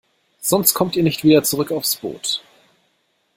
Sonst kommt ihr nicht wieder zurück aufs Boot.